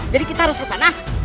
jadi kita harus kesana